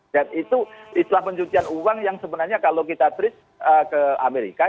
dan itu adalah pencucian uang yang sebenarnya kalau kita tris ke amerika